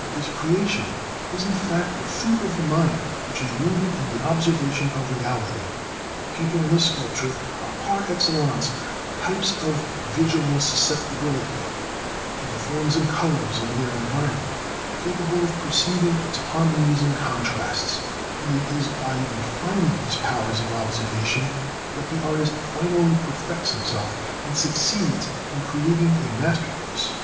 But this creation is in fact the fruit of the mind which is rooted in the observation of reality. The painter and the sculptor are, par excellence, types of visual susceptibility to the forms and colors of their environment, capable of perceiving its harmonies and contrasts; and it is by refining his powers of observation that the artist finally perfects himself and succeeds in creating a masterpiece.